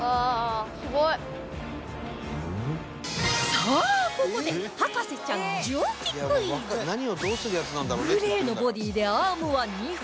さあここで博士ちゃん重機クイズグレーのボディーでアームは２本